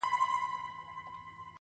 چي هره ورځ دي په سر اوښکو ډکومه!.